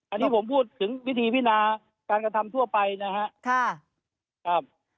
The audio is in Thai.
อันนี้ผมพูดถึงวิธีพินาการกระทำทั่วไปนะครับ